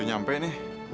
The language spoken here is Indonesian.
udah nyampe nih